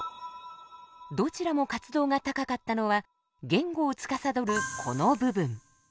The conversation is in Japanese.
どちらも活動が高かったのは言語をつかさどるこの部分。